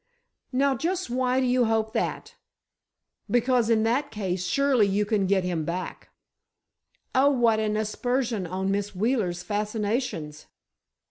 "Now, just why do you hope that?" "Because in that case, surely you can get him back——" "Oh, what an aspersion on Miss Wheeler's fascinations!"